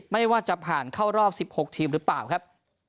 ไม่ว่าจะผ่านเข้ารอบ๑๖ทีมหรือเปล่าครับ